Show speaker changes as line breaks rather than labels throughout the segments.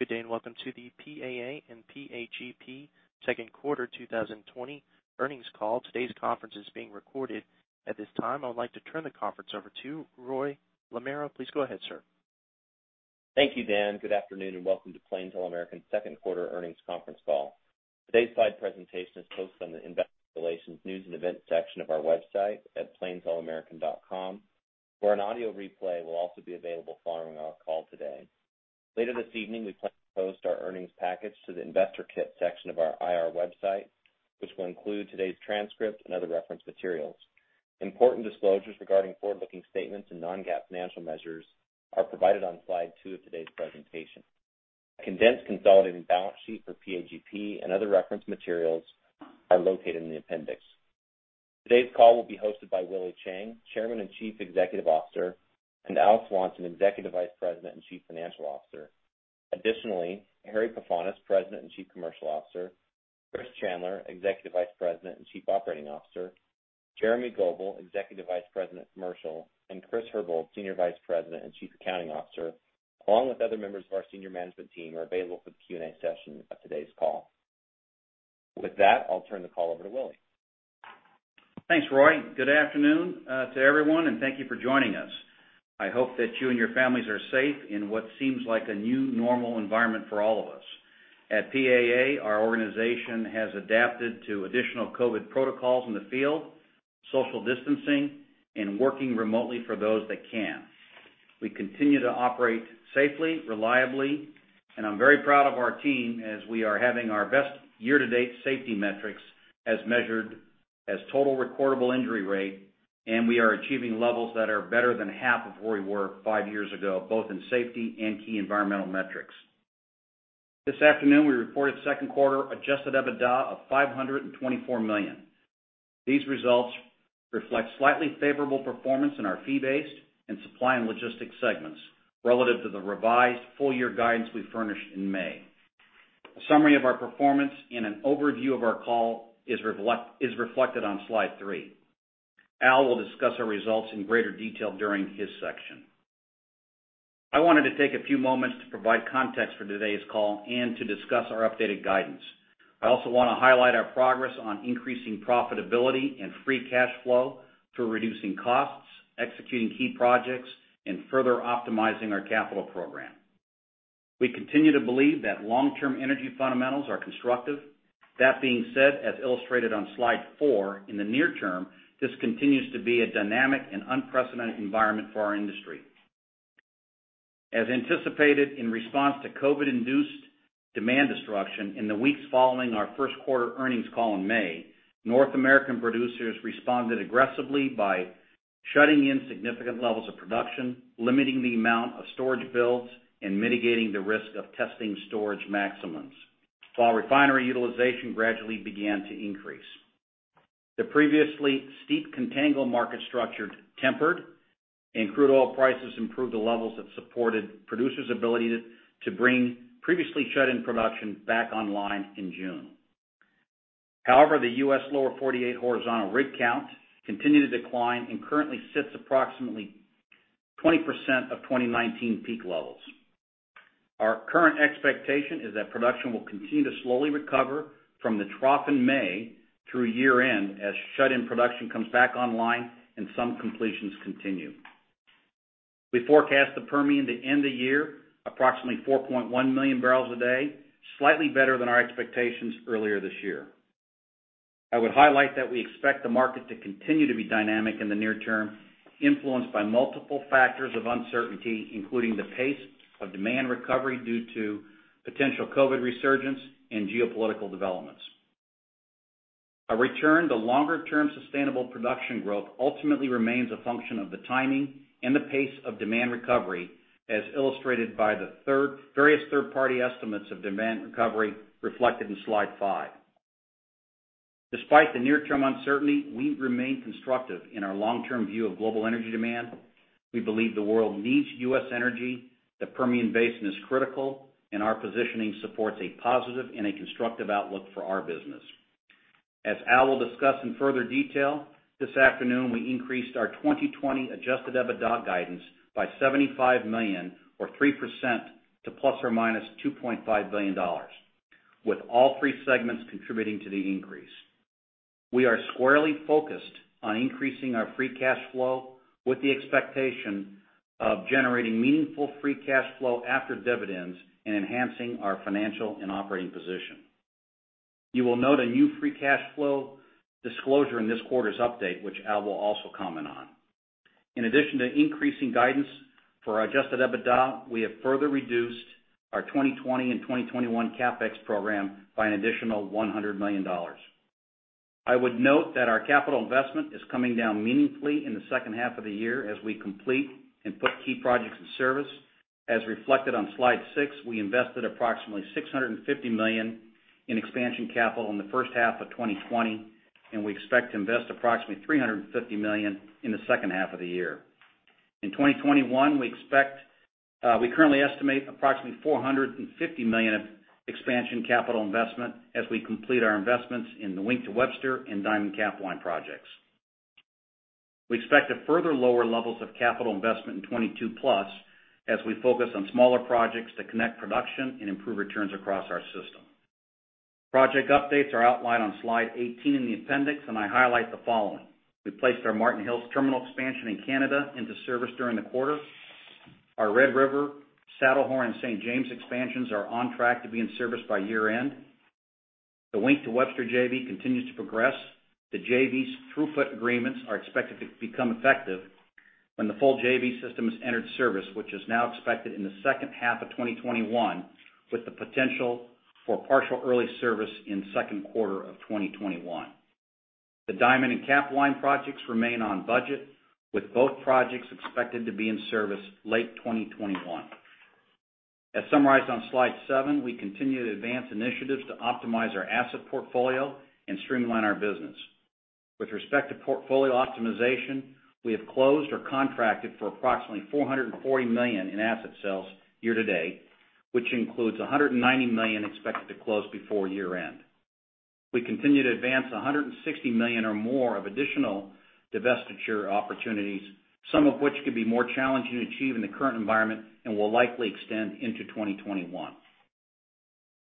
Good day. Welcome to the PAA and PAGP second quarter 2020 earnings call. Today's conference is being recorded. At this time, I would like to turn the conference over to Roy Lamoreaux. Please go ahead, sir.
Thank you, Dan. Good afternoon, welcome to Plains All American second quarter earnings conference call. Today's slide presentation is posted on the Investor Relations News and Events section of our website at plainsallamerican.com, where an audio replay will also be available following our call today. Later this evening, we plan to post our earnings package to the Investor Kit section of our IR website, which will include today's transcript and other reference materials. Important disclosures regarding forward-looking statements and non-GAAP financial measures are provided on slide two of today's presentation. A condensed consolidated balance sheet for PAGP and other reference materials are located in the appendix. Today's call will be hosted by Willie Chiang, Chairman and Chief Executive Officer, and Al Swanson, Executive Vice President and Chief Financial Officer. Additionally, Harry Pefanis, President and Chief Commercial Officer, Chris Chandler, Executive Vice President and Chief Operating Officer, Jeremy Goebel, Executive Vice President, Commercial, and Chris Herbold, Senior Vice President and Chief Accounting Officer, along with other members of our senior management team are available for the Q&A session of today's call. With that, I'll turn the call over to Willie.
Thanks, Roy. Good afternoon to everyone, and thank you for joining us. I hope that you and your families are safe in what seems like a new normal environment for all of us. At PAA, our organization has adapted to additional COVID protocols in the field, social distancing, and working remotely for those that can. We continue to operate safely, reliably, and I'm very proud of our team as we are having our best year-to-date safety metrics as measured as total recordable injury rate, and we are achieving levels that are better than half of where we were five years ago, both in safety and key environmental metrics. This afternoon, we reported second quarter adjusted EBITDA of $524 million. These results reflect slightly favorable performance in our fee-based and supply and logistics segments relative to the revised full-year guidance we furnished in May. A summary of our performance and an overview of our call is reflected on slide three. Al will discuss our results in greater detail during his section. I wanted to take a few moments to provide context for today's call and to discuss our updated guidance. I also want to highlight our progress on increasing profitability and free cash flow through reducing costs, executing key projects, and further optimizing our capital program. We continue to believe that long-term energy fundamentals are constructive. That being said, as illustrated on slide four, in the near term, this continues to be a dynamic and unprecedented environment for our industry. As anticipated in response to COVID-induced demand destruction in the weeks following our first quarter earnings call in May, North American producers responded aggressively by shutting in significant levels of production, limiting the amount of storage builds, and mitigating the risk of testing storage maximums while refinery utilization gradually began to increase. The previously steep contango market structure tempered and crude oil prices improved to levels that supported producers' ability to bring previously shut-in production back online in June. However, the U.S. Lower 48 horizontal rig count continued to decline and currently sits approximately 20% of 2019 peak levels. Our current expectation is that production will continue to slowly recover from the trough in May through year-end as shut-in production comes back online and some completions continue. We forecast the Permian to end the year approximately 4.1 million bpd slightly better than our expectations earlier this year. I would highlight that we expect the market to continue to be dynamic in the near term, influenced by multiple factors of uncertainty, including the pace of demand recovery due to potential COVID resurgence and geopolitical developments. A return to longer-term sustainable production growth ultimately remains a function of the timing and the pace of demand recovery, as illustrated by the various third-party estimates of demand recovery reflected in slide five. Despite the near-term uncertainty, we remain constructive in our long-term view of global energy demand. We believe the world needs U.S. energy, the Permian Basin is critical, and our positioning supports a positive and a constructive outlook for our business. As Al will discuss in further detail, this afternoon, we increased our 2020 adjusted EBITDA guidance by $75 million or 3% to ±$2.5 billion, with all three segments contributing to the increase. We are squarely focused on increasing our free cash flow with the expectation of generating meaningful free cash flow after dividends and enhancing our financial and operating position. You will note a new free cash flow disclosure in this quarter's update, which Al will also comment on. In addition to increasing guidance for our adjusted EBITDA, we have further reduced our 2020 and 2021 CapEx program by an additional $100 million. I would note that our capital investment is coming down meaningfully in the second half of the year as we complete and put key projects in service. As reflected on slide six, we invested approximately $650 million in expansion capital in the first half of 2020, and we expect to invest approximately $350 million in the second half of the year. In 2021, we currently estimate approximately $450 million of expansion capital investment as we complete our investments in the Wink to Webster and Diamond Capline projects. We expect to further lower levels of capital investment in 2022+ as we focus on smaller projects to connect production and improve returns across our system. Project updates are outlined on slide 18 in the appendix. I highlight the following. We placed our Marten Hills terminal expansion in Canada into service during the quarter. Our Red River, Saddlehorn, and St. James expansions are on track to be in service by year-end. The Wink to Webster JV continues to progress. The JV's throughput agreements are expected to become effective when the full JV system is entered service, which is now expected in the second half of 2021, with the potential for partial early service in second quarter of 2021. The Diamond and Capline projects remain on budget, with both projects expected to be in service late 2021. As summarized on slide seven, we continue to advance initiatives to optimize our asset portfolio and streamline our business. With respect to portfolio optimization, we have closed or contracted for approximately $440 million in asset sales year to date, which includes $190 million expected to close before year-end. We continue to advance $160 million or more of additional divestiture opportunities, some of which could be more challenging to achieve in the current environment and will likely extend into 2021.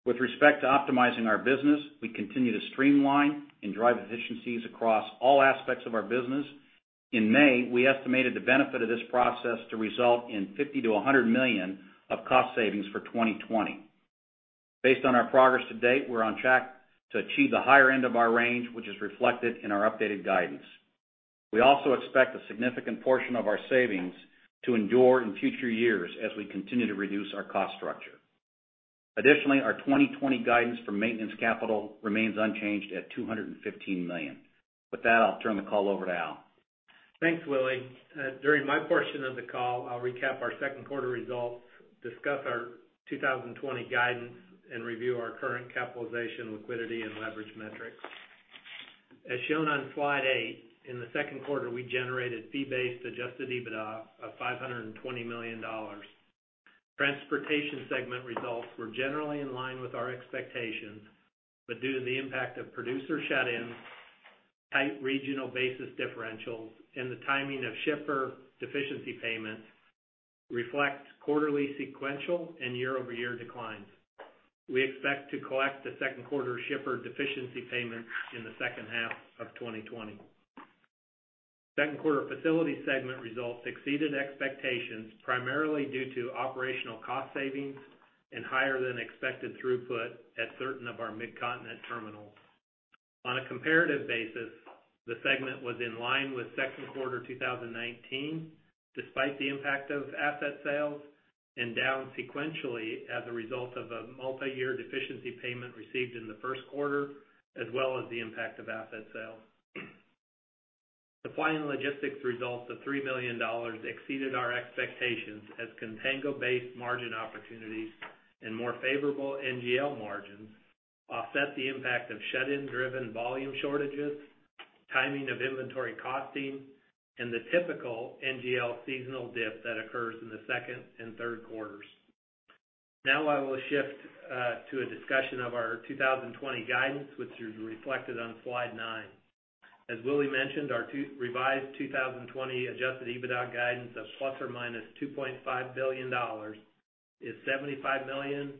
With respect to optimizing our business, we continue to streamline and drive efficiencies across all aspects of our business. In May, we estimated the benefit of this process to result in $50 million-$100 million of cost savings for 2020. Based on our progress to date, we're on track to achieve the higher end of our range, which is reflected in our updated guidance. We also expect a significant portion of our savings to endure in future years as we continue to reduce our cost structure. Our 2020 guidance for maintenance capital remains unchanged at $215 million. With that, I'll turn the call over to Al.
Thanks, Willie. During my portion of the call, I'll recap our second quarter results, discuss our 2020 guidance, and review our current capitalization, liquidity, and leverage metrics. As shown on slide eight, in the second quarter, we generated fee-based adjusted EBITDA of $520 million. Transportation segment results were generally in line with our expectations, but due to the impact of producer shut-ins, tight regional basis differentials, and the timing of shipper deficiency payments reflect quarterly sequential and year-over-year declines. We expect to collect the second quarter shipper deficiency payment in the second half of 2020. Second quarter facility segment results exceeded expectations, primarily due to operational cost savings and higher than expected throughput at certain of our Midcontinent terminals. On a comparative basis, the segment was in line with second quarter 2019, despite the impact of asset sales, and down sequentially as a result of a multi-year deficiency payment received in the first quarter, as well as the impact of asset sales. Supply and logistics results of $3 million exceeded our expectations as contango-based margin opportunities and more favorable NGL margins offset the impact of shut-in driven volume shortages, timing of inventory costing, and the typical NGL seasonal dip that occurs in the second and third quarters. I will shift to a discussion of our 2020 guidance, which is reflected on slide nine. As Willie mentioned, our revised 2020 adjusted EBITDA guidance of ±$2.5 billion is $75 million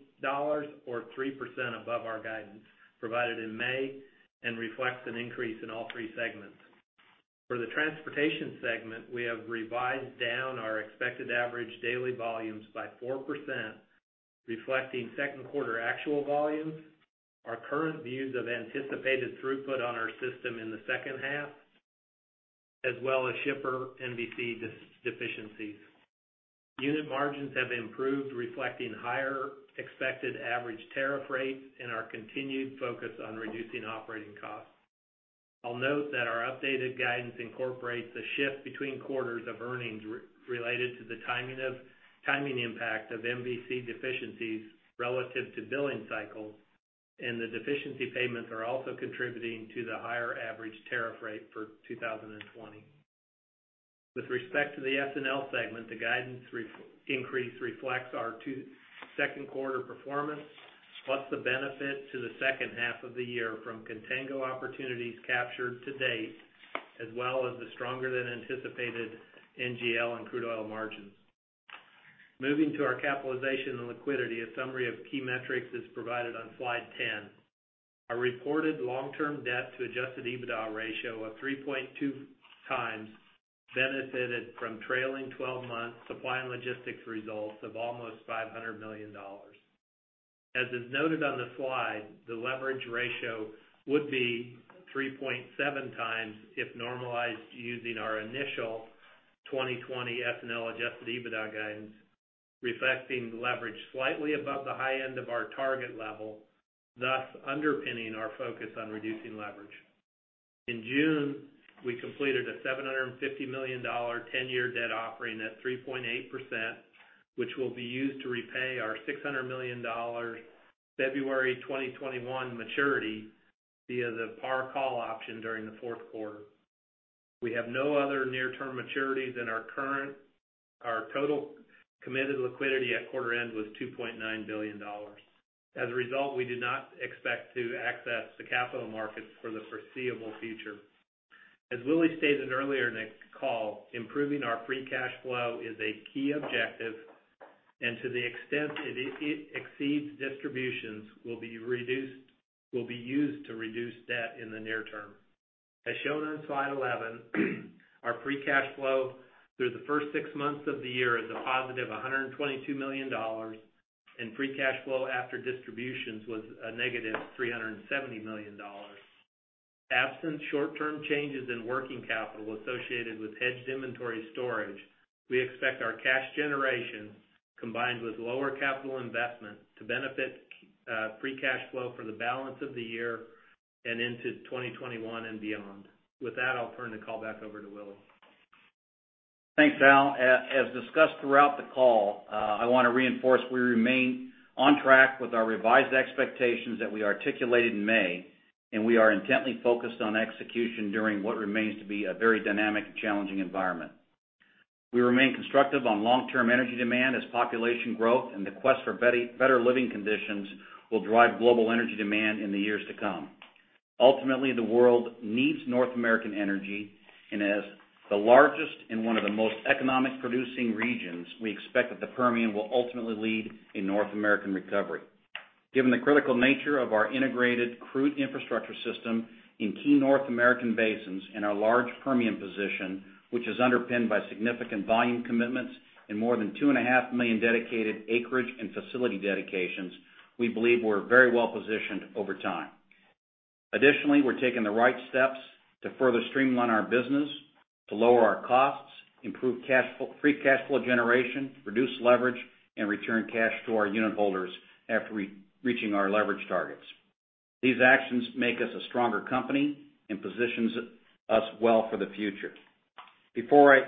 or 3% above our guidance provided in May and reflects an increase in all three segments. For the transportation segment, we have revised down our expected average daily volumes by 4%, reflecting second quarter actual volumes, our current views of anticipated throughput on our system in the second half, as well as shipper MVC deficiencies. Unit margins have improved, reflecting higher expected average tariff rates and our continued focus on reducing operating costs. I'll note that our updated guidance incorporates a shift between quarters of earnings related to the timing impact of MVC deficiencies relative to billing cycles, and the deficiency payments are also contributing to the higher average tariff rate for 2020. With respect to the S&L segment, the guidance increase reflects our second quarter performance, plus the benefit to the second half of the year from contango opportunities captured to date, as well as the stronger than anticipated NGL and crude oil margins. Moving to our capitalization and liquidity, a summary of key metrics is provided on slide 10. Our reported long-term debt to adjusted EBITDA ratio of 3.2x benefited from trailing 12 months supply and logistics results of almost $500 million. As is noted on the slide, the leverage ratio would be 3.7x if normalized using our initial 2020 S&L adjusted EBITDA guidance, reflecting leverage slightly above the high end of our target level, thus underpinning our focus on reducing leverage. In June, we completed a $750 million 10-year debt offering at 3.8%, which will be used to repay our $600 million February 2021 maturity via the Par call option during the fourth quarter. We have no other near-term maturities in our current Our total committed liquidity at quarter end was $2.9 billion. We do not expect to access the capital markets for the foreseeable future. As Willie stated earlier in the call, improving our free cash flow is a key objective, and to the extent it exceeds distributions, will be used to reduce debt in the near term. As shown on slide 11, our free cash flow through the first six months of the year is a positive $122 million, and free cash flow after distributions was a negative $370 million. Absent short-term changes in working capital associated with hedged inventory storage, we expect our cash generation, combined with lower capital investment, to benefit free cash flow for the balance of the year and into 2021 and beyond. With that, I'll turn the call back over to Willie.
Thanks, Al. As discussed throughout the call, I want to reinforce we remain on track with our revised expectations that we articulated in May, and we are intently focused on execution during what remains to be a very dynamic and challenging environment. We remain constructive on long-term energy demand as population growth and the quest for better living conditions will drive global energy demand in the years to come. Ultimately, the world needs North American energy, and as the largest and one of the most economic producing regions, we expect that the Permian will ultimately lead a North American recovery. Given the critical nature of our integrated crude infrastructure system in key North American basins and our large Permian position, which is underpinned by significant volume commitments and more than two and a half million dedicated acreage and facility dedications, we believe we're very well-positioned over time. Additionally, we're taking the right steps to further streamline our business to lower our costs, improve free cash flow generation, reduce leverage, and return cash to our unit holders after reaching our leverage targets. These actions make us a stronger company and positions us well for the future. Before I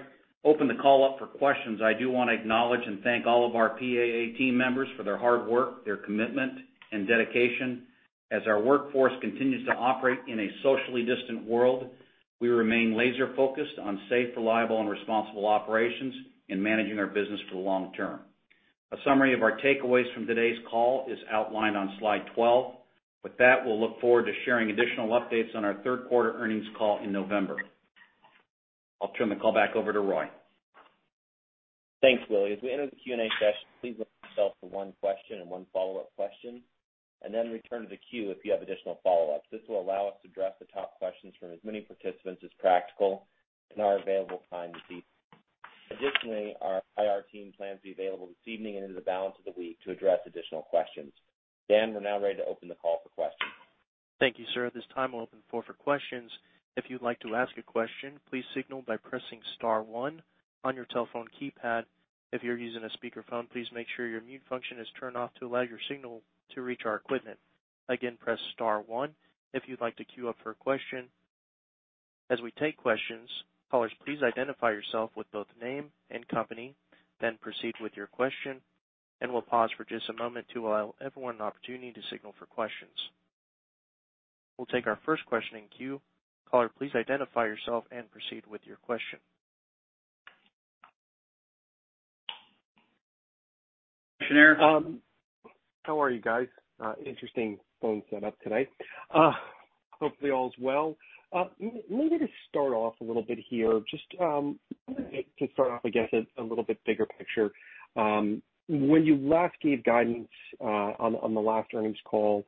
open the call up for questions, I do want to acknowledge and thank all of our PAA team members for their hard work, their commitment, and dedication. As our workforce continues to operate in a socially distant world, we remain laser-focused on safe, reliable, and responsible operations in managing our business for the long term. A summary of our takeaways from today's call is outlined on slide 11. With that, we'll look forward to sharing additional updates on our third quarter earnings call in November. I'll turn the call back over to Roy.
Thanks, Willie. As we enter the Q&A session, please limit yourself to one question and one follow-up question, and then return to the queue if you have additional follow-ups. This will allow us to address the top questions from as many participants as practical in our available time this evening. Additionally, our IR team plans to be available this evening and into the balance of the week to address additional questions. Dan, we're now ready to open the call for questions.
Thank you, sir. At this time, we'll open the floor for questions. If you'd like to ask a question, please signal by pressing star one on your telephone keypad. If you're using a speakerphone, please make sure your mute function is turned off to allow your signal to reach our equipment. Again, press star one if you'd like to queue up for a question. As we take questions, callers, please identify yourself with both name and company, then proceed with your question, and we'll pause for just a moment to allow everyone an opportunity to signal for questions. We'll take our first question in queue. Caller, please identify yourself and proceed with your question.
Shneur. How are you guys? Interesting phone set up tonight. Hopefully all is well. Maybe to start off a little bit here. Just to start off, I guess, a little bit bigger picture. You last gave guidance on the last earnings call,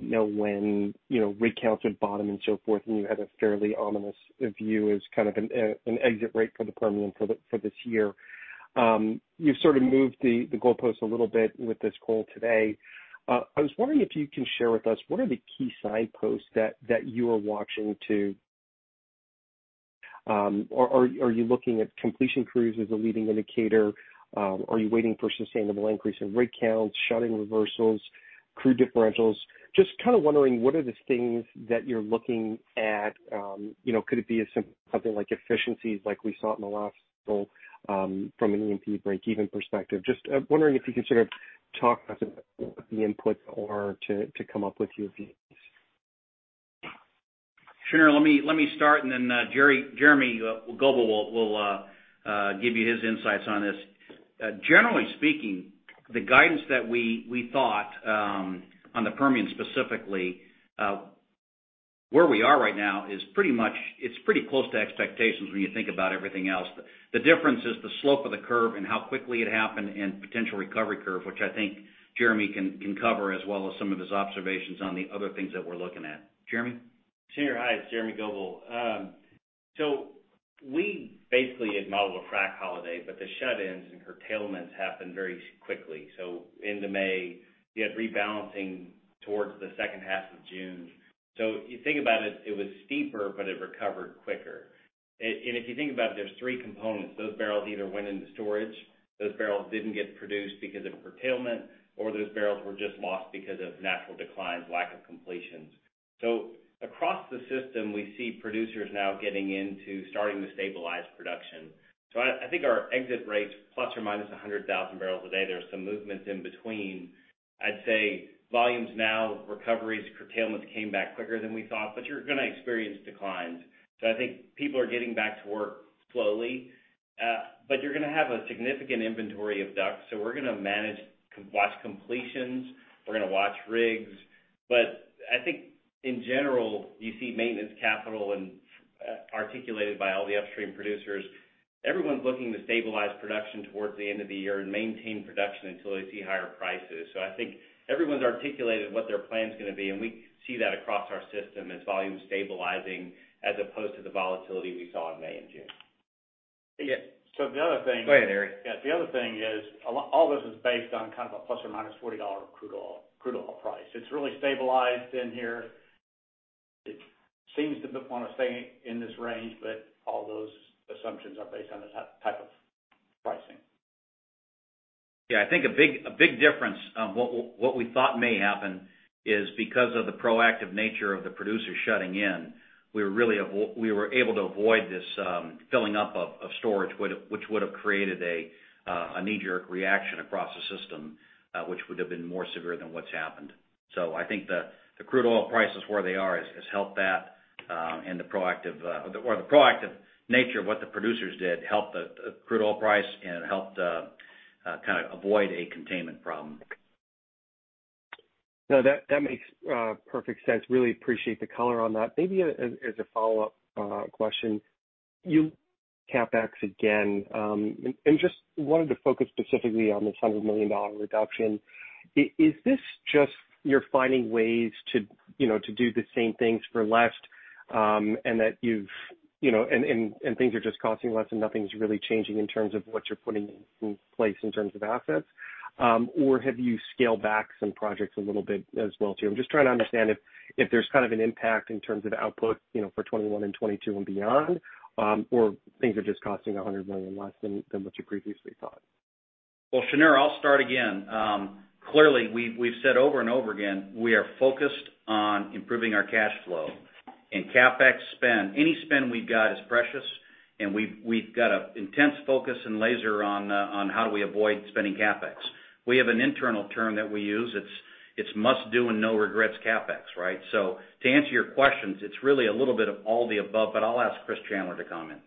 when rig counts would bottom and so forth, and you had a fairly ominous view as kind of an exit rate for the Permian for this year. You've sort of moved the goalpost a little bit with this call today. I was wondering if you can share with us what are the key signposts that you are watching. Are you looking at completion crews as a leading indicator? Are you waiting for sustainable increase in rig counts, shutting reversals, crude differentials? Just kind of wondering, what are the things that you're looking at? Could it be something like efficiencies like we saw in the last call from an E&P break-even perspective? Just wondering if you can sort of talk about the inputs or to come up with your views.
Shneur, let me start, and then Jeremy Goebel will give you his insights on this. Generally speaking, the guidance that we thought on the Permian specifically, where we are right now is pretty close to expectations when you think about everything else. The difference is the slope of the curve and how quickly it happened and potential recovery curve, which I think Jeremy can cover, as well as some of his observations on the other things that we're looking at. Jeremy?
Shneur, hi. It's Jeremy Goebel. We basically had modeled a frac holiday, but the shut-ins and curtailments happened very quickly. End of May, you had rebalancing towards the second half of June. If you think about it was steeper, but it recovered quicker. If you think about it, there's three components. Those barrels either went into storage, those barrels didn't get produced because of curtailment, or those barrels were just lost because of natural declines, lack of completions. Across the system, we see producers now getting into starting to stabilize production. I think our exit rates, ±100,000 barrels a day. There's some movements in between. I'd say volumes now, recoveries, curtailments came back quicker than we thought, but you're going to experience declines. I think people are getting back to work slowly, but you're going to have a significant inventory of DUCs, so we're going to manage, watch completions, we're going to watch rigs. I think in general, you see maintenance capital and articulated by all the upstream producers. Everyone's looking to stabilize production towards the end of the year and maintain production until they see higher prices. I think everyone's articulated what their plan's going to be, and we see that across our system as volume stabilizing as opposed to the volatility we saw in May and June.
Yeah.
Go ahead, Harry.
Yeah. The other thing is, all this is based on kind of a ±$40 crude oil price. It's really stabilized in here. It seems to want to stay in this range. All those assumptions are based on this type of pricing.
Yeah. I think a big difference on what we thought may happen is because of the proactive nature of the producers shutting in, we were able to avoid this filling up of storage which would've created a knee-jerk reaction across the system, which would've been more severe than what's happened. I think the crude oil prices where they are has helped that, or the proactive nature of what the producers did helped the crude oil price and helped kind of avoid a containment problem.
No, that makes perfect sense. Really appreciate the color on that. Maybe as a follow-up question, you CapEx again. Just wanted to focus specifically on this $100 million reduction. Is this just you're finding ways to do the same things for less, and things are just costing less and nothing's really changing in terms of what you're putting in place in terms of assets? Or have you scaled back some projects a little bit as well, too? I'm just trying to understand if there's kind of an impact in terms of output for 2021 and 2022 and beyond, or things are just costing $100 million less than what you previously thought.
Well, Shneur, I'll start again. Clearly, we've said over and over again, we are focused on improving our cash flow and CapEx spend. Any spend we've got is precious, and we've got an intense focus and laser on how do we avoid spending CapEx. We have an internal term that we use, it's must do and no regrets CapEx, right? To answer your questions, it's really a little bit of all the above, but I'll ask Chris Chandler to comment.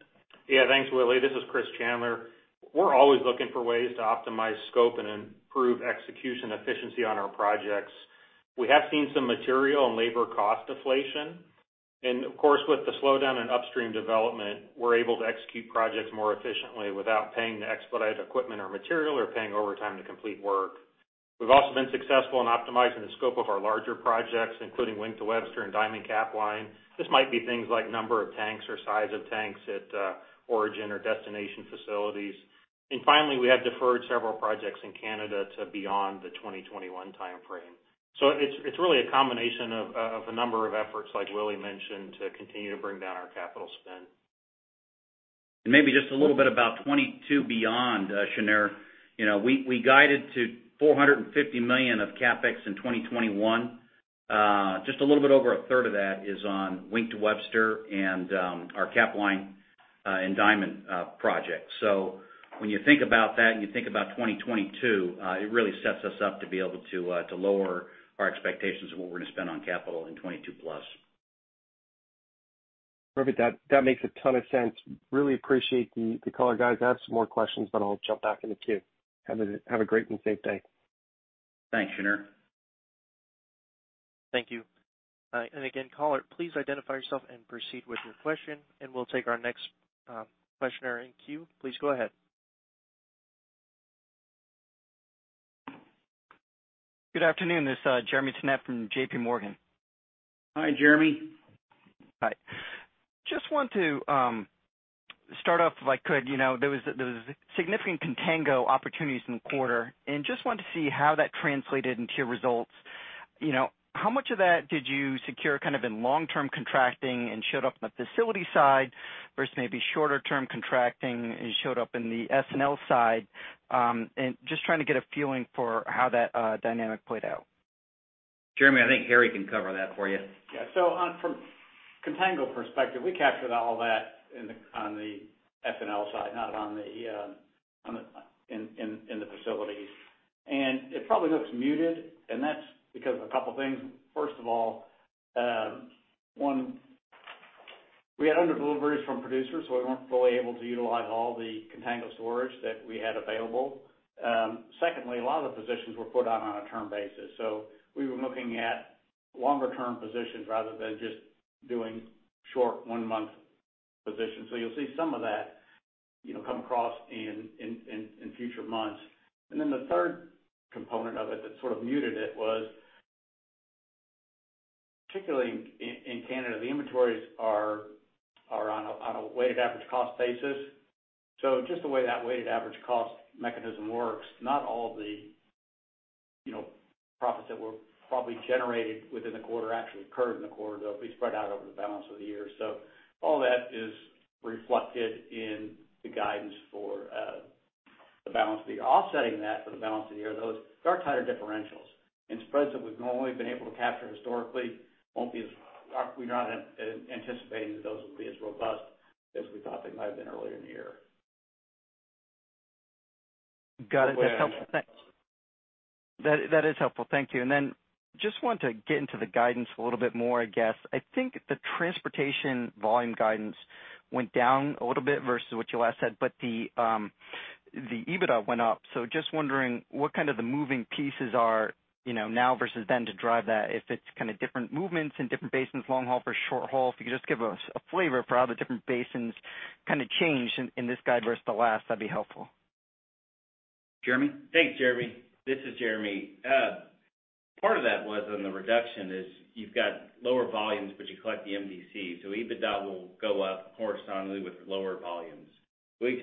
Thanks, Willie. This is Chris Chandler. We're always looking for ways to optimize scope and improve execution efficiency on our projects. We have seen some material and labor cost deflation. Of course, with the slowdown in upstream development, we're able to execute projects more efficiently without paying to expedite equipment or material or paying overtime to complete work. We've also been successful in optimizing the scope of our larger projects, including Wink to Webster and Diamond Capline. This might be things like number of tanks or size of tanks at origin or destination facilities. Finally, we have deferred several projects in Canada to beyond the 2021 timeframe. It's really a combination of a number of efforts, like Willie mentioned, to continue to bring down our capital spend. Maybe just a little bit about 2022 beyond, Shneur. We guided to $450 million of CapEx in 2021. Just a little bit over a third of that is on Wink to Webster and our Capline and Diamond project. When you think about that and you think about 2022, it really sets us up to be able to lower our expectations of what we're going to spend on capital in 2022 plus.
Perfect. That makes a ton of sense. Really appreciate the color, guys. I have some more questions. I'll jump back in the queue. Have a great and safe day.
Thanks, Shneur.
Thank you. Again, caller, please identify yourself and proceed with your question, and we'll take our next questioner in queue. Please go ahead.
Good afternoon. This is Jeremy Tonet from J.P. Morgan.
Hi, Jeremy.
Hi. Just want to start off, if I could. There was significant contango opportunities in the quarter, and just wanted to see how that translated into your results. How much of that did you secure kind of in long-term contracting and showed up in the facility side versus maybe shorter-term contracting and showed up in the S&L side? Just trying to get a feeling for how that dynamic played out.
Jeremy, I think Harry can cover that for you.
Yeah. From contango perspective, we captured all that on the S&L side, not in the facilities. It probably looks muted, and that's because of a couple things. First of all, one, we had under deliveries from producers, so we weren't fully able to utilize all the contango storage that we had available. Secondly, a lot of the positions were put out on a term basis. We were looking at longer-term positions rather than just doing short one-month positions. The third component of it that sort of muted it was, particularly in Canada, the inventories are on a weighted average cost basis. Just the way that weighted average cost mechanism works, not all of the profits that were probably generated within the quarter actually occurred in the quarter. They'll be spread out over the balance of the year. All that is reflected in the guidance for the balance of the year. Offsetting that for the balance of the year, those much tighter differentials and spreads that we've normally been able to capture historically, we're not anticipating that those will be as robust as we thought they might have been earlier in the year.
Got it. That's helpful. Thank you. Just want to get into the guidance a little bit more, I guess. I think the transportation volume guidance went down a little bit versus what you last said, but the EBITDA went up. Just wondering what the moving pieces are now versus then to drive that, if it's kind of different movements in different basins, long haul versus short haul. If you could just give us a flavor for how the different basins kind of changed in this guide versus the last, that'd be helpful.
Jeremy?
Thanks, Jeremy. This is Jeremy. Part of that was on the reduction is you've got lower volumes, but you collect the MVC, so EBITDA will go up horizontally with lower volumes. Because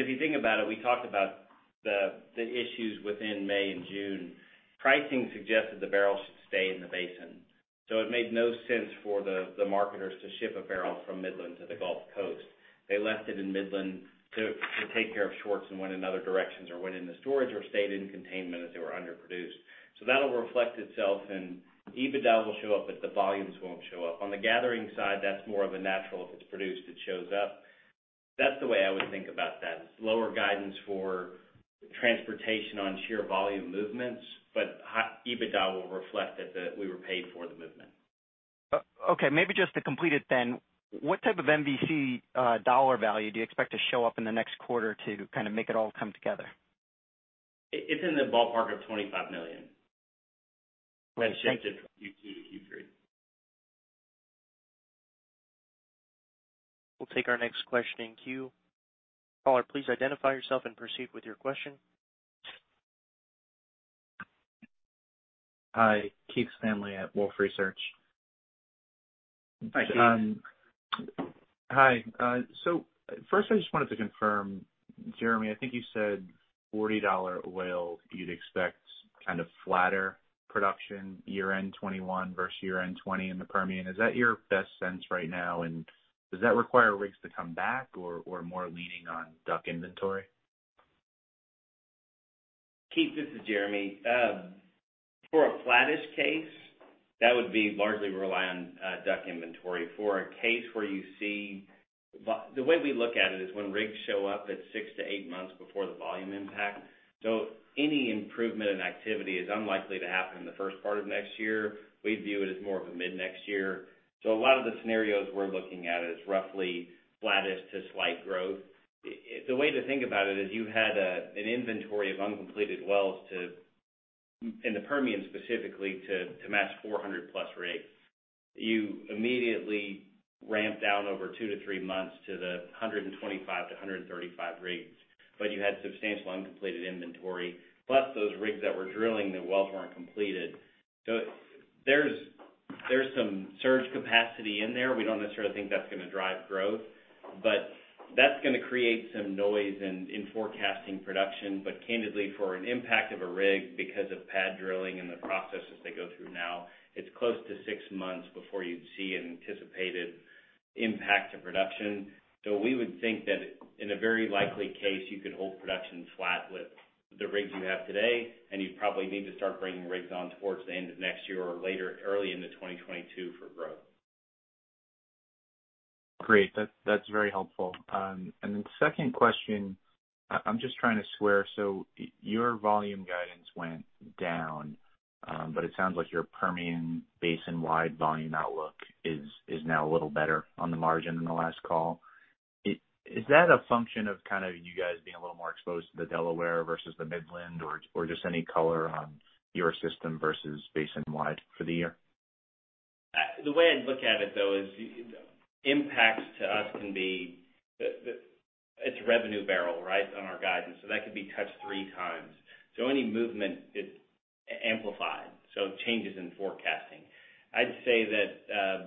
if you think about it, we talked about the issues within May and June. Pricing suggested the bbl should stay in the basin. It made no sense for the marketers to ship a bbl from Midland to the Gulf Coast. They left it in Midland to take care of shorts and went in other directions or went into storage or stayed in containment as they were underproduced. That'll reflect itself and EBITDA will show up, but the volumes won't show up. On the gathering side, that's more of a natural, if it's produced, it shows up. That's the way I would think about that. It's lower guidance for transportation on sheer volume movements, but EBITDA will reflect that we were paid for the movement.
Okay, maybe just to complete it then, what type of MVC dollar value do you expect to show up in the next quarter to kind of make it all come together?
It's in the ballpark of $25 million.
Okay, thank you.
Shifted from Q2 to Q3.
We'll take our next question in queue. Caller, please identify yourself and proceed with your question.
Hi, Keith Stanley at Wolfe Research.
Hi, Keith.
Hi. First I just wanted to confirm, Jeremy, I think you said $40 oil, you'd expect kind of flatter production year-end 2021 versus year-end 2020 in the Permian. Is that your best sense right now? Does that require rigs to come back or more leaning on DUC inventory?
Keith, this is Jeremy. For a flattish case, that would be largely rely on DUC inventory. For a case where The way we look at it is when rigs show up, it's six to eight months before the volume impact. Any improvement in activity is unlikely to happen in the first part of next year. We view it as more of a mid-next year. A lot of the scenarios we're looking at is roughly flattish to slight growth. The way to think about it is you had an inventory of uncompleted wells to, in the Permian specifically, to match 400+ rigs. You immediately ramp down over two to three months to the 125 to 135 rigs. You had substantial uncompleted inventory, plus those rigs that were drilling, the wells weren't completed. There's some surge capacity in there. We don't necessarily think that's going to drive growth. That's going to create some noise in forecasting production. Candidly, for an impact of a rig because of pad drilling and the processes they go through now, it's close to six months before you'd see an anticipated impact to production. We would think that in a very likely case, you could hold production flat with the rigs you have today, and you'd probably need to start bringing rigs on towards the end of next year or later, early into 2022 for growth.
Great. That's very helpful. Second question, I'm just trying to square, so your volume guidance went down, but it sounds like your Permian basin-wide volume outlook is now a little better on the margin than the last call. Is that a function of kind of you guys being a little more exposed to the Delaware versus the Midland, or just any color on your system versus basin-wide for the year?
The way I'd look at it, though, is impacts to us can be It's revenue barrel, right, on our guidance. That could be touched 3×. Any movement is amplified. Changes in forecasting, I'd say that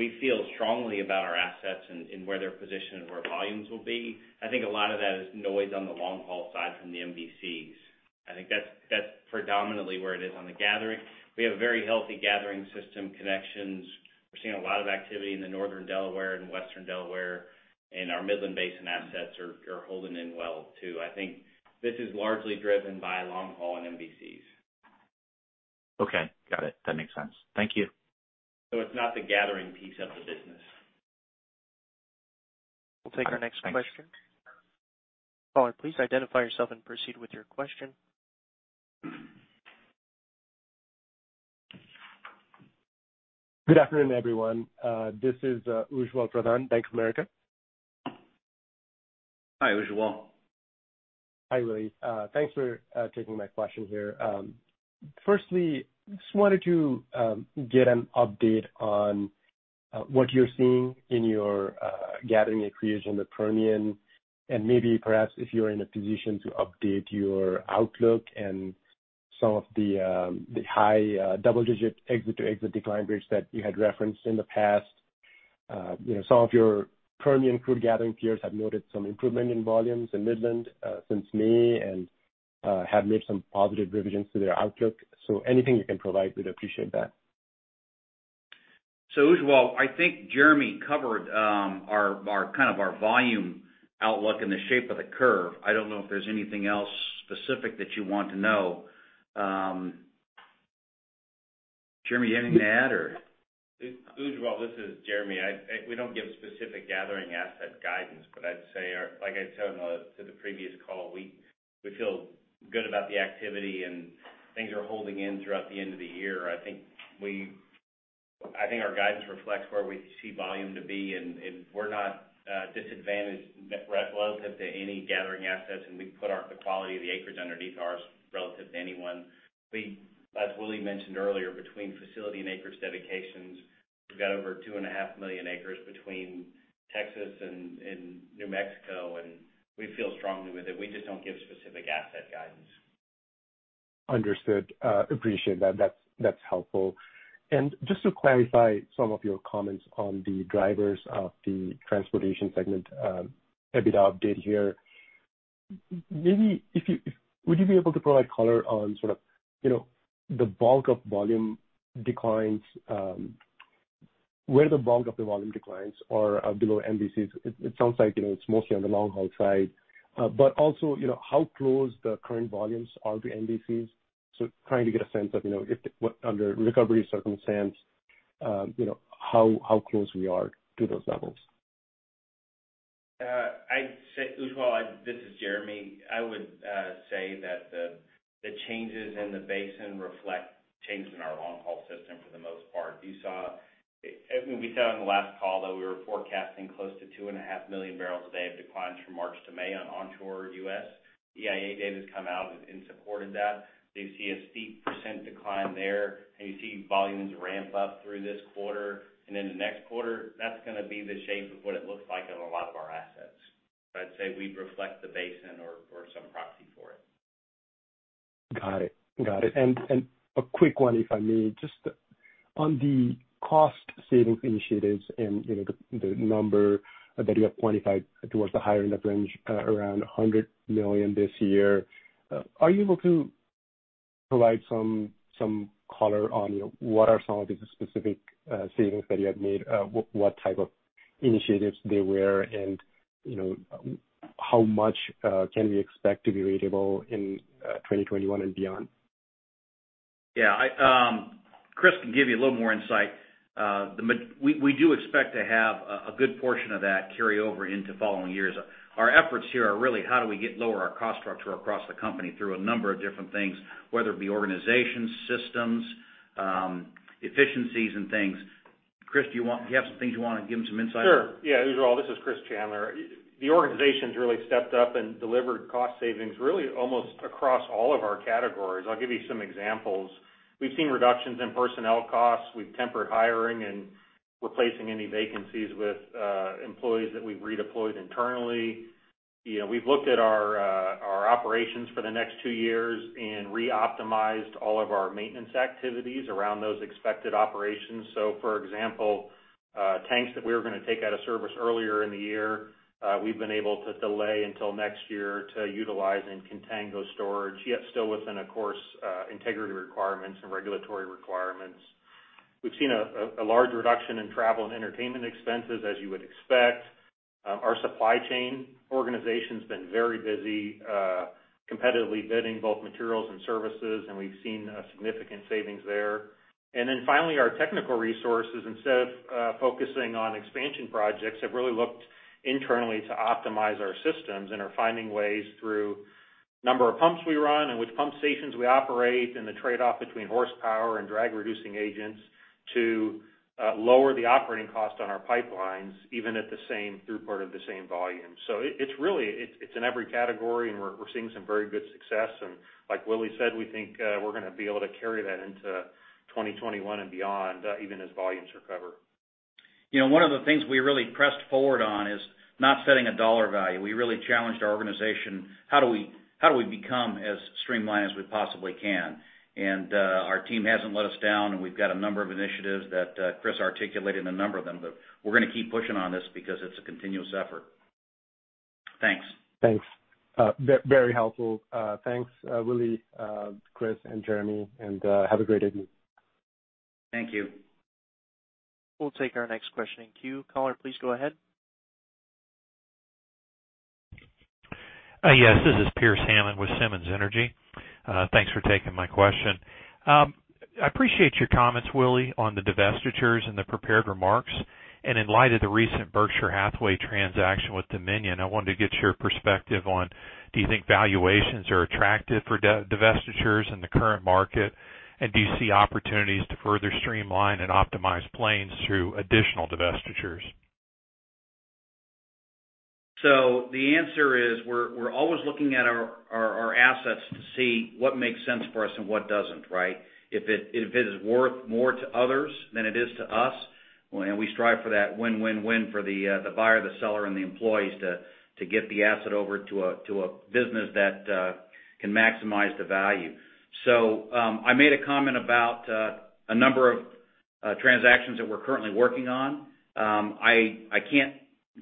we feel strongly about our assets and where they're positioned and where volumes will be. I think a lot of that is noise on the long-haul side from the MVCs. I think that's predominantly where it is on the gathering. We have a very healthy gathering system connections. We're seeing a lot of activity in the Northern Delaware and Western Delaware, and our Midland Basin assets are holding in well, too. I think this is largely driven by long haul and MVCs.
Okay. Got it. That makes sense. Thank you.
It's not the gathering piece of the business.
We'll take our next question.
Thanks.
Caller, please identify yourself and proceed with your question.
Good afternoon, everyone. This is Ujjwal Pradhan, Bank of America.
Hi, Ujjwal.
Hi, Willie. Thanks for taking my question here. Firstly, just wanted to get an update on what you're seeing in your gathering increase in the Permian, and maybe perhaps if you're in a position to update your outlook and some of the high double-digit exit-to-exit decline rates that you had referenced in the past. Some of your Permian crude gathering peers have noted some improvement in volumes in Midland since May and have made some positive revisions to their outlook. Anything you can provide, we'd appreciate that.
Ujjwal, I think Jeremy covered our volume outlook and the shape of the curve. I don't know if there's anything else specific that you want to know. Jeremy, anything to add?
Ujjwal, this is Jeremy. We don't give specific gathering asset guidance, I'd say, like I said on the previous call, we feel good about the activity, and things are holding in throughout the end of the year. I think our guidance reflects where we see volume to be, we're not disadvantaged relative to any gathering assets, we put the quality of the acreage underneath ours relative to anyone. As Willie mentioned earlier, between facility and acreage dedications, we've got over 2.5 million acres between Texas and New Mexico, we feel strongly with it. We just don't give specific asset guidance.
Understood. Appreciate that. That's helpful. Just to clarify some of your comments on the drivers of the transportation segment EBITDA update here, would you be able to provide color on where the bulk of volume declines are below MVCs? It sounds like it's mostly on the long-haul side. Also, how close the current volumes are to MVCs. Trying to get a sense of if under recovery circumstance, how close we are to those levels.
Ujjwal, this is Jeremy. I would say that the changes in the basin reflect changes in our long-haul system for the most part. We said on the last call that we were forecasting close to 2.5 million bpd of declines from March to May on Onshore U.S. EIA data's come out and supported that. You see a steep % decline there, and you see volumes ramp up through this quarter, and then the next quarter, that's going to be the shape of what it looks like on a lot of our assets. I'd say we reflect the basin or some proxy for it.
A quick one, if I may, just on the cost-savings initiatives and the number that you have quantified towards the higher end of range, around 100 million this year, are you able to provide some color on what are some of the specific savings that you have made, what type of initiatives they were, and how much can we expect to be readable in 2021 and beyond?
Yeah. Chris can give you a little more insight. We do expect to have a good portion of that carry over into following years. Our efforts here are really how do we lower our cost structure across the company through a number of different things, whether it be organization, systems, efficiencies and things. Chris, do you have some things you want to give them some insight on?
Sure. Ujjwal, this is Chris Chandler. The organization's really stepped up and delivered cost savings really almost across all of our categories. I'll give you some examples. We've seen reductions in personnel costs. We've tempered hiring and replacing any vacancies with employees that we've redeployed internally. We've looked at our operations for the next two years and reoptimized all of our maintenance activities around those expected operations. For example, tanks that we were going to take out of service earlier in the year, we've been able to delay until next year to utilize in contango storage, yet still within, of course, integrity requirements and regulatory requirements. We've seen a large reduction in travel and entertainment expenses, as you would expect. Our supply chain organization's been very busy competitively bidding both materials and services. We've seen significant savings there. Finally, our technical resources, instead of focusing on expansion projects, have really looked internally to optimize our systems and are finding ways through number of pumps we run and which pump stations we operate, and the trade-off between horsepower and drag-reducing agents to lower the operating cost on our pipelines, even at the same throughput of the same volume. It's in every category, and we're seeing some very good success. Like Willie said, we think we're going to be able to carry that into 2021 and beyond, even as volumes recover.
One of the things we really pressed forward on is not setting a dollar value. We really challenged our organization, how do we become as streamlined as we possibly can? Our team hasn't let us down, and we've got a number of initiatives that Chris articulated a number of them. We're going to keep pushing on this because it's a continuous effort. Thanks.
Thanks. Very helpful. Thanks, Willie, Chris, and Jeremy, and have a great evening.
Thank you.
We'll take our next question in queue. Caller, please go ahead.
Yes, this is Pearce Hammond with Simmons Energy. Thanks for taking my question. I appreciate your comments, Willie, on the divestitures and the prepared remarks. In light of the recent Berkshire Hathaway transaction with Dominion, I wanted to get your perspective on, do you think valuations are attractive for divestitures in the current market? Do you see opportunities to further streamline and optimize Plains through additional divestitures?
The answer is, we're always looking at our assets to see what makes sense for us and what doesn't, right? If it is worth more to others than it is to us, and we strive for that win-win-win for the buyer, the seller, and the employees to get the asset over to a business that can maximize the value. I made a comment about a number of transactions that we're currently working on. I can't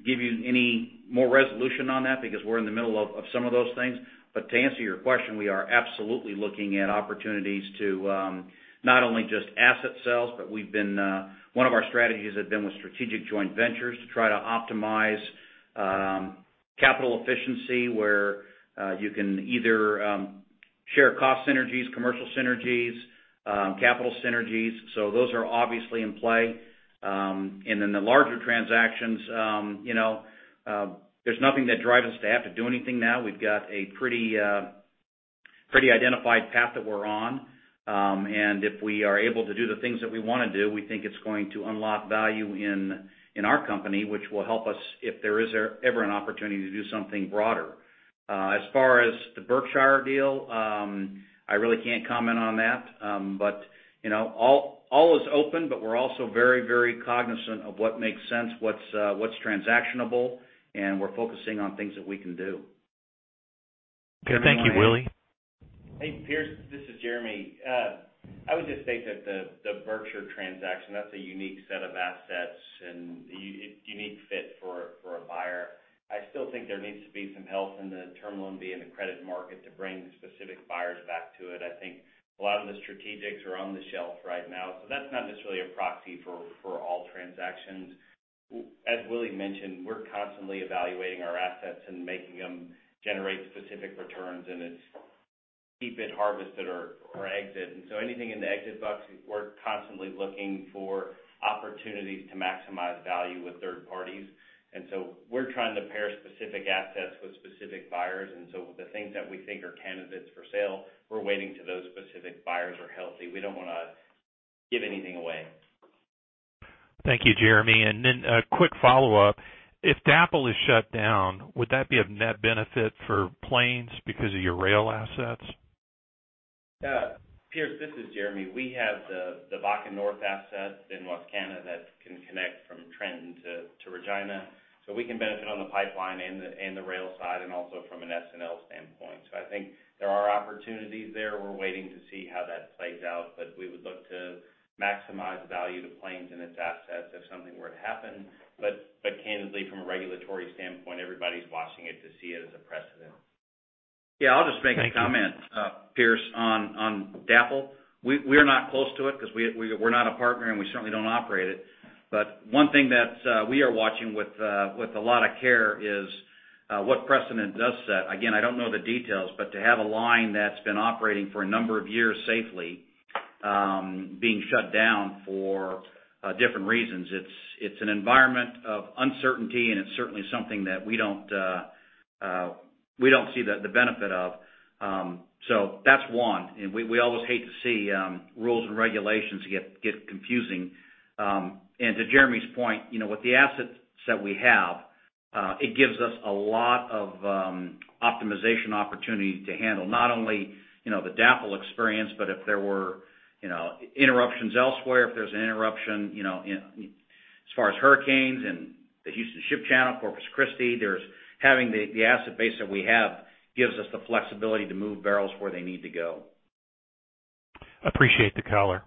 give you any more resolution on that because we're in the middle of some of those things. To answer your question, we are absolutely looking at opportunities to not only just asset sales, but one of our strategies has been with strategic joint ventures to try to optimize. Capital efficiency, where you can either share cost synergies, commercial synergies, capital synergies. Those are obviously in play. Then the larger transactions, there's nothing that drives us to have to do anything now. We've got a pretty identified path that we're on. If we are able to do the things that we want to do, we think it's going to unlock value in our company, which will help us if there is ever an opportunity to do something broader. As far as the Berkshire deal, I really can't comment on that. All is open, but we're also very cognizant of what makes sense, what's transactionable, and we're focusing on things that we can do.
Okay. Thank you, Willie.
Hey, Pearce, this is Jeremy. I would just say that the Berkshire transaction, that's a unique set of assets and a unique fit for a buyer. I still think there needs to be some health in the term loan B and the credit market to bring specific buyers back to it. I think a lot of the strategics are on the shelf right now, so that's not necessarily a proxy for all transactions. As Willie mentioned, we're constantly evaluating our assets and making them generate specific returns, and it's keep it, harvest it or exit. Anything in the exit bucket, we're constantly looking for opportunities to maximize value with third parties. We're trying to pair specific assets with specific buyers. The things that we think are candidates for sale, we're waiting till those specific buyers are healthy. We don't want to give anything away.
Thank you, Jeremy. A quick follow-up. If DAPL is shut down, would that be of net benefit for Plains because of your rail assets?
Pearce, this is Jeremy. We have the Bakken North asset in Western Canada that can connect from Trenton to Regina. We can benefit on the pipeline and the rail side, and also from an S&L standpoint. I think there are opportunities there. We're waiting to see how that plays out. We would look to maximize value to Plains and its assets if something were to happen. Candidly, from a regulatory standpoint, everybody's watching it to see it as a precedent.
Yeah, I'll just make a comment, Pearce, on DAPL. We're not close to it because we're not a partner, and we certainly don't operate it. One thing that we are watching with a lot of care is what precedent does set. Again, I don't know the details, but to have a line that's been operating for a number of years safely, being shut down for different reasons, it's an environment of uncertainty, and it's certainly something that we don't see the benefit of. That's one. We always hate to see rules and regulations get confusing. To Jeremy's point, with the asset set we have, it gives us a lot of optimization opportunity to handle not only the DAPL experience, but if there were interruptions elsewhere, if there's an interruption as far as hurricanes in the Houston Ship Channel, Corpus Christi, having the asset base that we have gives us the flexibility to move barrels where they need to go.
Appreciate the color.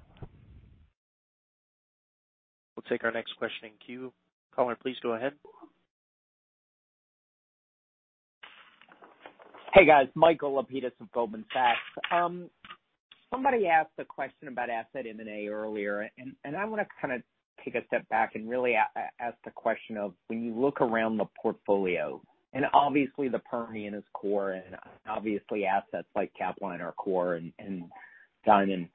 We'll take our next question in queue. Caller, please go ahead.
Hey, guys. Michael Lapides of Goldman Sachs. Somebody asked a question about asset M&A earlier. I want to kind of take a step back and really ask the question of when you look around the portfolio, and obviously the Permian is core and obviously assets like Capline are core and Diamond.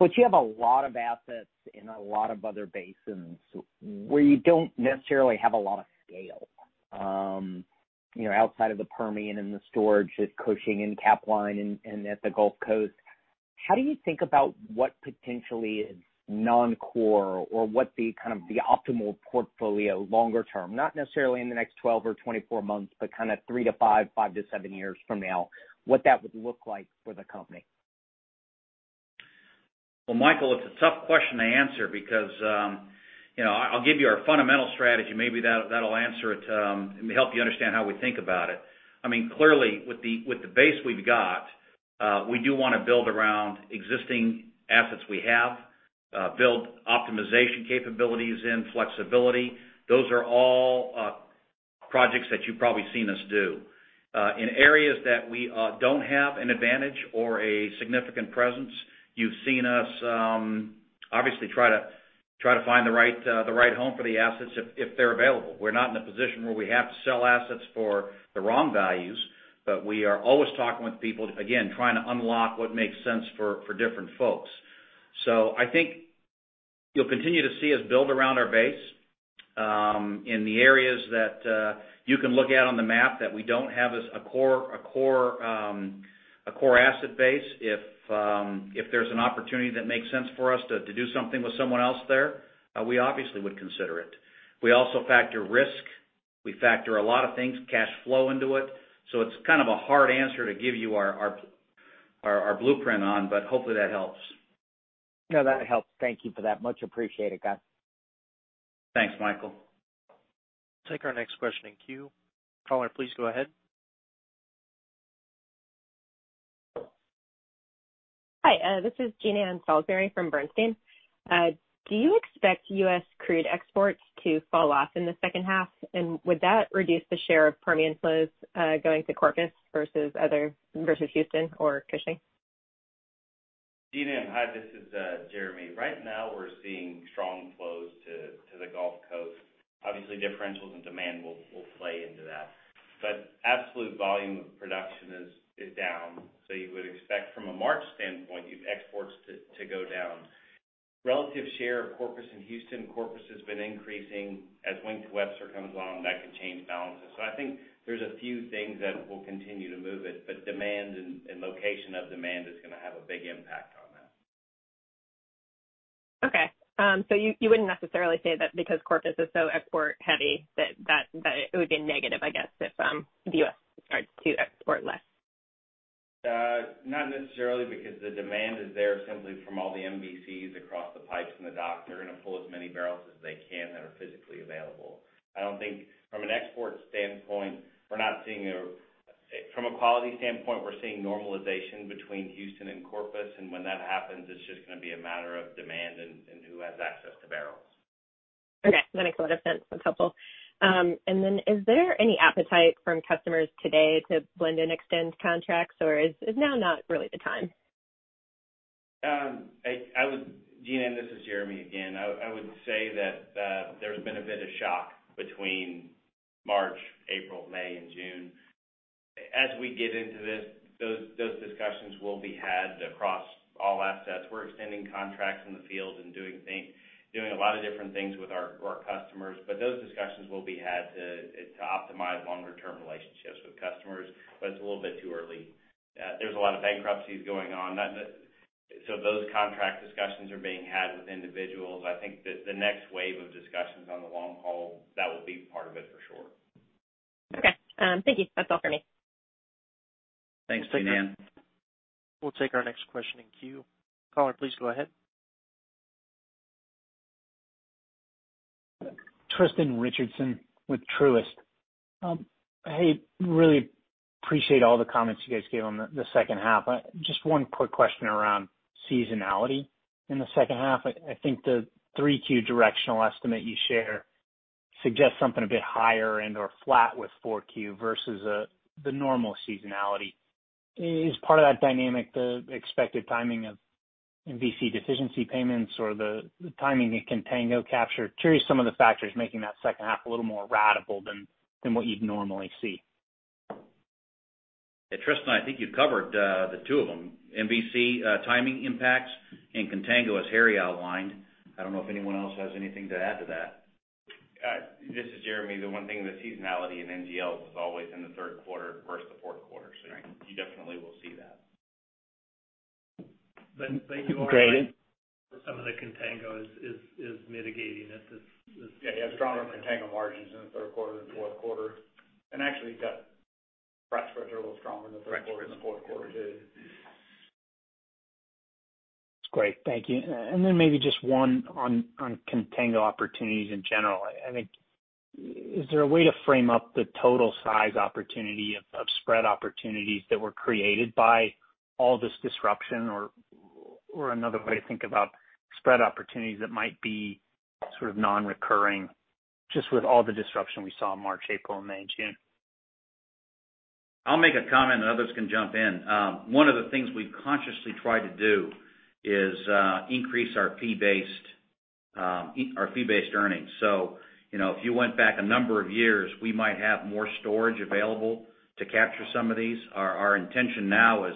You have a lot of assets in a lot of other basins where you don't necessarily have a lot of scale. Outside of the Permian and the storage at Cushing and Capline and at the Gulf Coast, how do you think about what potentially is non-core or what the kind of the optimal portfolio longer term, not necessarily in the next 12 or 24 months, but kind of three to five, five to seven years from now, what that would look like for the company?
Well, Michael, it's a tough question to answer because I'll give you our fundamental strategy. Maybe that'll answer it and help you understand how we think about it. Clearly, with the base we've got, we do want to build around existing assets we have, build optimization capabilities in, flexibility. Those are all projects that you've probably seen us do. In areas that we don't have an advantage or a significant presence, you've seen us obviously try to find the right home for the assets if they're available. We're not in a position where we have to sell assets for the wrong values, but we are always talking with people, again, trying to unlock what makes sense for different folks. I think you'll continue to see us build around our base. In the areas that you can look at on the map that we don't have a core asset base, if there's an opportunity that makes sense for us to do something with someone else there, we obviously would consider it. We also factor risk. We factor a lot of things, cash flow into it. It's kind of a hard answer to give you our blueprint on, but hopefully that helps.
No, that helps. Thank you for that. Much appreciated, guys.
Thanks, Michael.
Take our next question in queue. Caller, please go ahead.
Hi, this is Jean Ann Salisbury from Bernstein. Do you expect U.S. crude exports to fall off in the second half? Would that reduce the share of Permian flows going to Corpus versus Houston or Cushing?
Jean Ann, hi, this is Jeremy. Right now we're seeing strong flows to the Gulf Coast. Obviously, differentials and demand will play into that, but absolute volume of production is down. You would expect from a march standpoint, exports to go down. Relative share of Corpus and Houston, Corpus has been increasing. As Wink to Webster comes along, that could change balances. I think there's a few things that will continue to move it, but demand and location of demand is going to have a big impact on that.
Okay. You wouldn't necessarily say that because Corpus is so export heavy, that it would be a negative, I guess, if the U.S. starts to export less?
Not necessarily, because the demand is there simply from all the MVCs across the pipes and the docks. They're going to pull as many barrels as they can that are physically available. I don't think from an export standpoint From a quality standpoint, we're seeing normalization between Houston and Corpus, and when that happens, it's just going to be a matter of demand and who has access to barrels.
Okay. That makes a lot of sense. That's helpful. Is there any appetite from customers today to blend and extend contracts, or is now not really the time?
Jean Ann, this is Jeremy again. I would say that there's been a bit of shock between March, April, May, and June. As we get into this, those discussions will be had across all assets. We're extending contracts in the field and doing a lot of different things with our customers, but those discussions will be had to optimize longer-term relationships with customers, but it's a little bit too early. There's a lot of bankruptcies going on. Those contract discussions are being had with individuals. I think that the next wave of discussions on the long haul, that will be part of it for sure.
Okay. Thank you. That's all for me.
Thanks, Jean Ann.
We'll take our next question in queue. Caller, please go ahead.
Tristan Richardson with Truist. Hey, really appreciate all the comments you guys gave on the second half. Just one quick question around seasonality in the second half. I think the 3Q directional estimate you share suggests something a bit higher and/or flat with 4Q versus the normal seasonality. Is part of that dynamic the expected timing of MVC deficiency payments or the timing in contango capture? Curious some of the factors making that second half a little more radical than what you'd normally see.
Hey, Tristan. I think you've covered the two of them. MVC timing impacts and contango as Harry outlined. I don't know if anyone else has anything to add to that.
This is Jeremy. The one thing, the seasonality in NGLs is always in the third quarter versus the fourth quarter.
Right.
You definitely will see that.
But you are-
Great
some of the contango is mitigating it.
Yeah. You have stronger contango margins in the third quarter than the fourth quarter. actually, spreads are a little stronger in the third quarter.
Correct
than the fourth quarter too.
That's great. Thank you. Maybe just one on contango opportunities in general. Is there a way to frame up the total size opportunity of spread opportunities that were created by all this disruption or another way to think about spread opportunities that might be sort of non-recurring, just with all the disruption we saw in March, April, May, and June?
I'll make a comment, and others can jump in. One of the things we consciously try to do is increase our fee-based earnings. If you went back a number of years, we might have more storage available to capture some of these. Our intention now is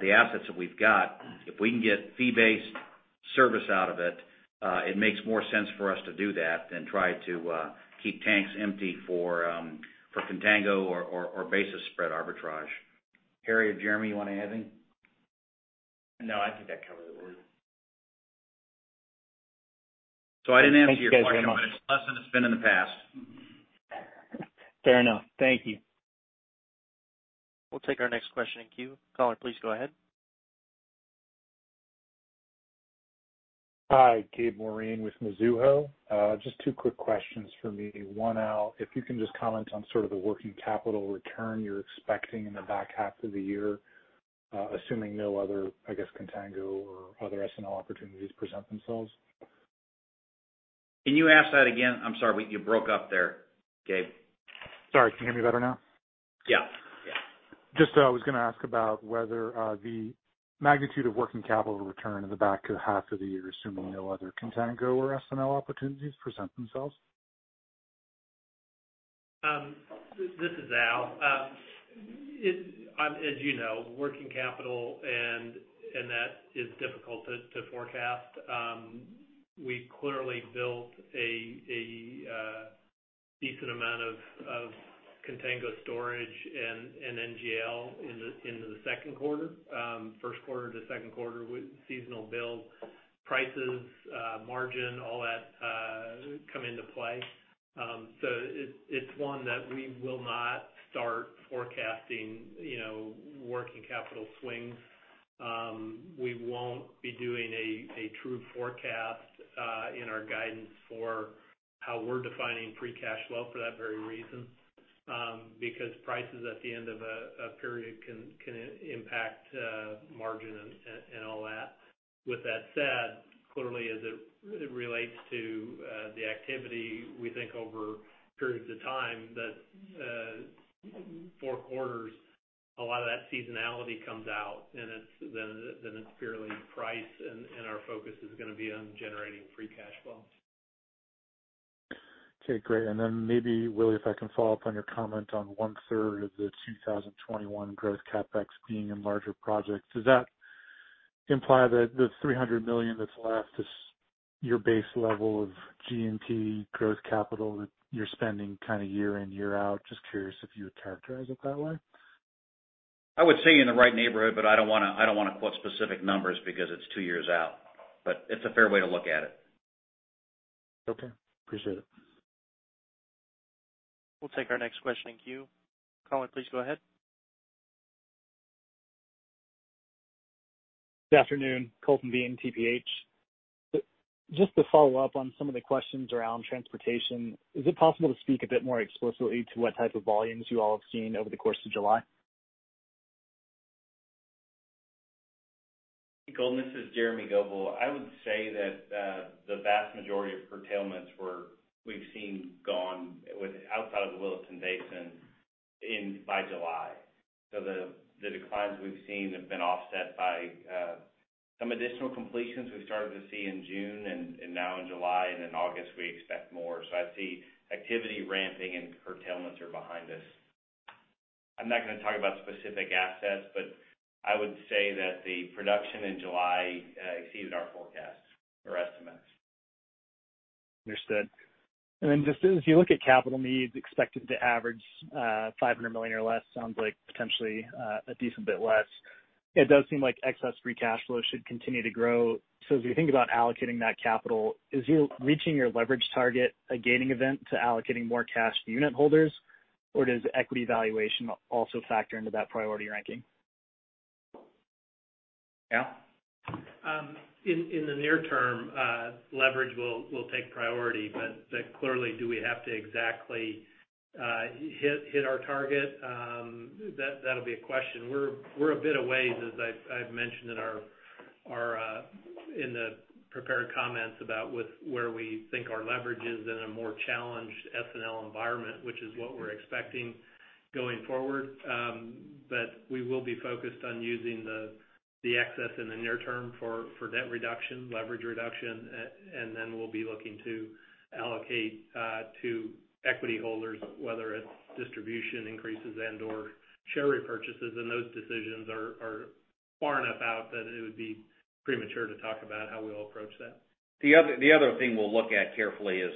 the assets that we've got, if we can get fee-based service out of it makes more sense for us to do that than try to keep tanks empty for contango or basis spread arbitrage. Harry or Jeremy, you want to add anything?
No, I think that covers it.
I didn't answer your question.
Thank you guys very much.
It's less than it's been in the past.
Fair enough. Thank you.
We'll take our next question in queue. Caller, please go ahead.
Hi, Gabriel Moreen with Mizuho. Just two quick questions for me. One, Al, if you can just comment on sort of the working capital return you're expecting in the back half of the year, assuming no other, I guess, contango or other S&L opportunities present themselves?
Can you ask that again? I'm sorry, but you broke up there, Gabe.
Sorry, can you hear me better now?
Yeah.
Just I was going to ask about whether the magnitude of working capital return in the back half of the year, assuming no other contango or S&L opportunities present themselves.
This is Al. As you know, working capital, that is difficult to forecast. We clearly built a decent amount of contango storage and NGL into the second quarter. First quarter to second quarter with seasonal build prices, margin, all that come into play. It's one that we will not start forecasting working capital swings. We won't be doing a true forecast in our guidance for how we're defining free cash flow for that very reason. Prices at the end of a period can impact margin and all that. With that said, clearly as it relates to the activity, we think over periods of time that four quarters, a lot of that seasonality comes out, then it is fairly priced, and our focus is going to be on generating free cash flow.
Okay, great. Then maybe, Willie, if I can follow up on your comment on one-third of the 2021 growth CapEx being in larger projects. Does that imply that the $300 million that's left is your base level of G&P growth capital that you're spending kind of year in, year out? Just curious if you would characterize it that way.
I would say you're in the right neighborhood, but I don't want to quote specific numbers because it's two years out. It's a fair way to look at it.
Okay. Appreciate it.
We'll take our next question in queue. Caller, please go ahead.
Good afternoon. Colton Bean, TPH. Just to follow up on some of the questions around transportation, is it possible to speak a bit more explicitly to what type of volumes you all have seen over the course of July?
Colton, this is Jeremy Goebel. I would say that the vast majority of curtailments we've seen gone outside of the Williston Basin by July. The declines we've seen have been offset by some additional completions we've started to see in June and now in July. In August, we expect more. I see activity ramping and curtailments are behind us. I'm not going to talk about specific assets, but I would say that the production in July exceeded our forecasts or estimates.
Understood. Just as you look at capital needs expected to average $500 million or less, sounds like potentially a decent bit less. It does seem like excess free cash flow should continue to grow. As we think about allocating that capital, is you reaching your leverage target a gaining event to allocating more cash to unit holders, or does equity valuation also factor into that priority ranking?
Al?
In the near term, leverage will take priority. Clearly, do we have to exactly hit our target? That'll be a question. We're a bit of ways, as I've mentioned in the prepared comments about where we think our leverage is in a more challenged S&L environment, which is what we're expecting going forward. We will be focused on using the excess in the near term for debt reduction, leverage reduction, and then we'll be looking to allocate to equity holders, whether it's distribution increases and/or share repurchases. Those decisions are far enough out that it would be premature to talk about how we'll approach that.
The other thing we'll look at carefully is,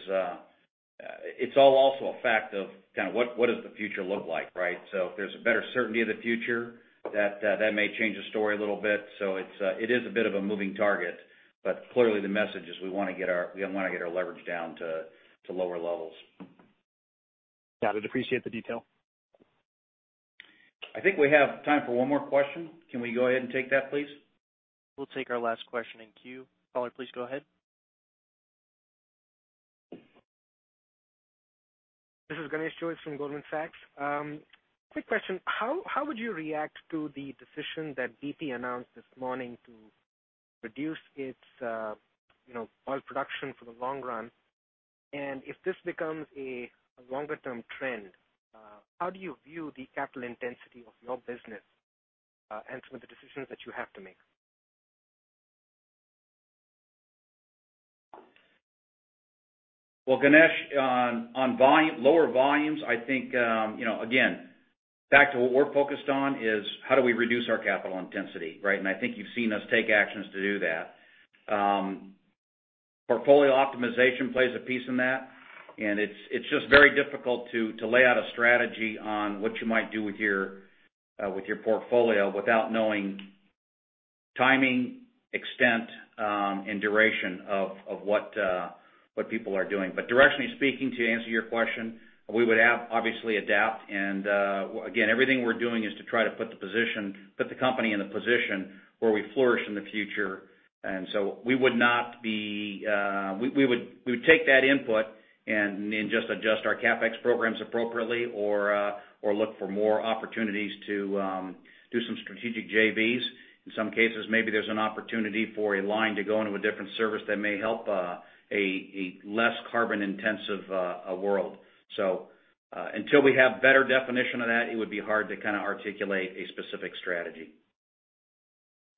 it's all also a fact of kind of what does the future look like, right? If there's a better certainty of the future, that may change the story a little bit. It is a bit of a moving target, but clearly the message is we want to get our leverage down to lower levels.
Got it. Appreciate the detail.
I think we have time for one more question. Can we go ahead and take that, please?
We'll take our last question in queue. Caller, please go ahead.
This is Ganesh Jois from Goldman Sachs. Quick question. How would you react to the decision that BP announced this morning to reduce its oil production for the long run? If this becomes a longer-term trend, how do you view the capital intensity of your business and some of the decisions that you have to make?
Well, Ganesh, on lower volumes, I think again, back to what we're focused on is how do we reduce our capital intensity, right? I think you've seen us take actions to do that. Portfolio optimization plays a piece in that, and it's just very difficult to lay out a strategy on what you might do with your portfolio without knowing timing, extent, and duration of what people are doing. Directionally speaking, to answer your question, we would obviously adapt. Again, everything we're doing is to try to put the company in the position where we flourish in the future. We would take that input and just adjust our CapEx programs appropriately or look for more opportunities to do some strategic JVs. In some cases, maybe there's an opportunity for a line to go into a different service that may help a less carbon-intensive world. Until we have better definition of that, it would be hard to kind of articulate a specific strategy.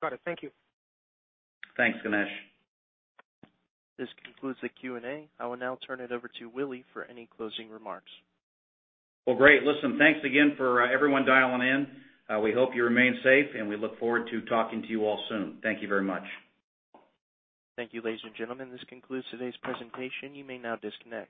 Got it. Thank you.
Thanks, Ganesh.
This concludes the Q&A. I will now turn it over to Willie for any closing remarks.
Great. Listen, thanks again for everyone dialing in. We hope you remain safe, and we look forward to talking to you all soon. Thank you very much.
Thank you, ladies and gentlemen. This concludes today's presentation. You may now disconnect.